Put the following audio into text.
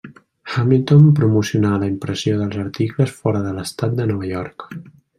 Hamilton promocionà la impressió dels articles fora de l'Estat de Nova York.